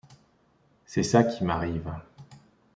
C’est ça qui m’arrive.